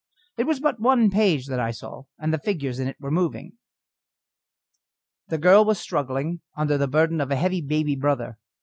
It was but one page that I saw, and the figures in it were moving. The girl was struggling under the burden of a heavy baby brother.